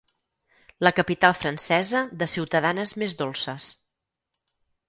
La capital francesa de ciutadanes més dolces.